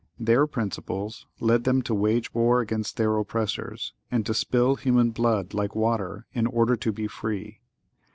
(¶ 4) Their principles led them to wage war against their oppressors, and to spill human blood like water, in order to be free.